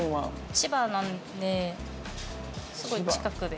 千葉なんですごい近くで。